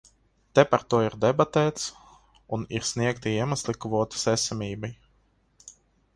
Te par to ir debatēts un ir sniegti iemesli kvotas esamībai.